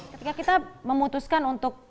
ketika kita memutuskan untuk